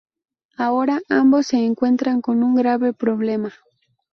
Ahora, ambos se encuentran con un grave problema.